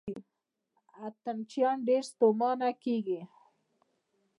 اتڼ چیان ډېر ستومانه کیږي.